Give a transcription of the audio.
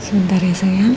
sebentar ya sayang